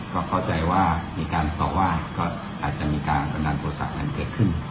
ก็เข้าใจว่ามีการต่อว่าก็อาจจะมีการบันดาลโทษะกันเกิดขึ้น